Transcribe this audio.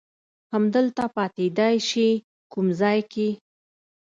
همدلته پاتېدای شې، کوم ځای کې؟